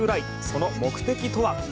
その目的とは？